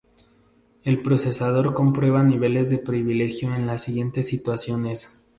El procesador comprueba niveles de privilegio en las siguientes situaciones.